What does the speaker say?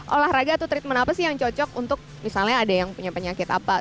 olahraga atau treatment apa sih yang cocok untuk misalnya ada yang punya penyakit apa